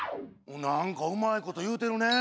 なんかうまいこというてるね。